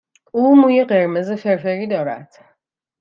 او موی قرمز فرفری دارد.